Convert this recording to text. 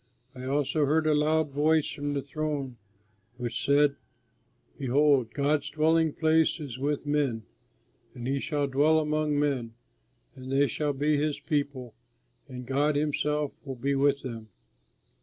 I also heard a loud voice from the throne which said: "Behold, God's dwelling place is with men, and he shall dwell among men, and they shall be his people, and God himself will be with them.